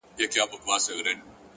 اخلاص د بریالۍ اړیکې روح دی.